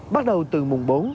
bắt đầu từ mùng bốn